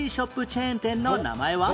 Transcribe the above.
チェーン店の名前は？